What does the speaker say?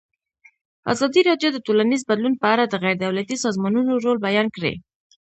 ازادي راډیو د ټولنیز بدلون په اړه د غیر دولتي سازمانونو رول بیان کړی.